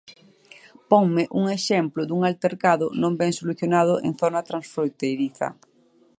Ponme un exemplo dun altercado non ben solucionado en zona transfronteiriza.